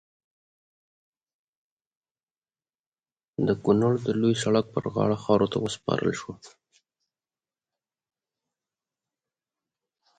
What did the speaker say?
د کونړ د لوی سړک پر غاړه خاورو ته وسپارل شو.